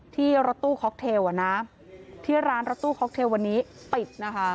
ที่รถตู้ค็อกเทลที่ร้านรถตู้ค็อกเทลวันนี้ปิดนะคะ